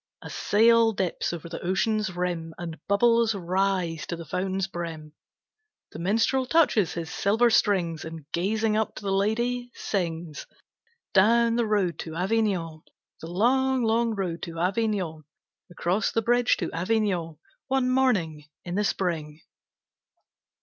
A sail dips over the ocean's rim, And bubbles rise to the fountain's brim. The minstrel touches his silver strings, And gazing up to the lady, sings: Down the road to Avignon, The long, long road to Avignon, Across the bridge to Avignon, One morning in the spring.